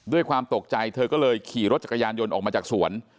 ด้วยความตกใจเธอก็เลยขี่รถจักรยานยนต์ออกมาจากสวน